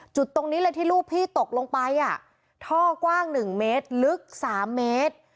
จุดตรงนี้เลยที่ลูกพี่ตกลงไปท่อกว้าง๑เมตรลึก๓เมตร